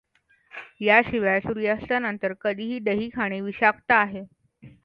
या शिवाय सूर्यास्ता नंतर कधीही दही खाणे विशाक्त आहे.